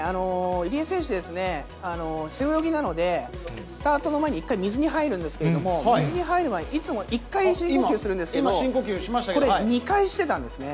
入江選手、背泳ぎなので、スタートの前に１回水に入るんですけれども、水に入る前に、いつも１回、深呼吸するんですけれども、これ、２回してたんですね。